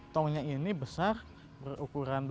tongnya ini besar berukuran